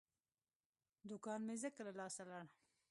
دوکان مې ځکه له لاسه لاړ.